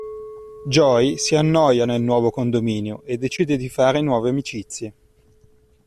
Joey si annoia nel nuovo condominio e decide di fare nuove amicizie.